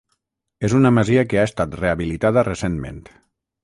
És una masia que ha estat rehabilitada recentment.